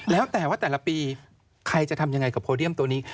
แล้วแต่ว่าแต่ละปีใครจะทำยังไงกับโพเดียมตัวนี้